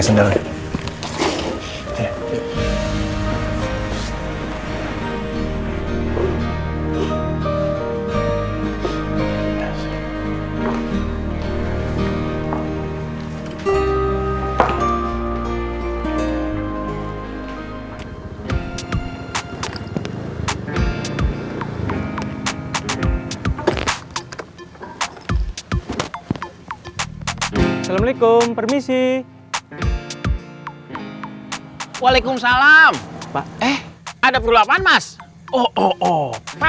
sini pakai sandalnya